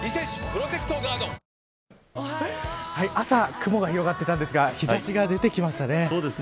朝、雲が広がってたんですが日差しが出てきましたね。